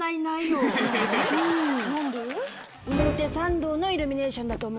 表参道のイルミネーションだと思います。